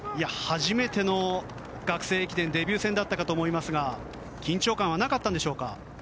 初めての学生駅伝デビュー戦だったかと思いますが緊張感はなかったんでしょうか。